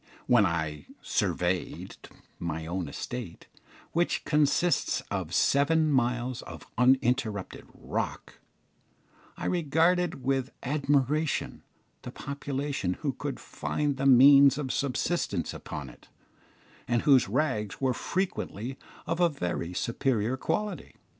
When I "surveyed" my own estate, which consists of seven miles of uninterrupted rock, I regarded with admiration the population who could find the means of subsistence upon it, and whose rags were frequently of a very superior quality.